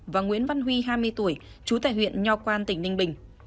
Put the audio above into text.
và nguyễn văn huy hai mươi tuổi trú tại huyện nho quan tỉnh ninh bình